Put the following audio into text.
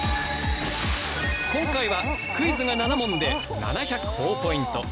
今回はクイズが７問で７００ほぉポイント。